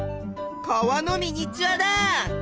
川のミニチュアだ！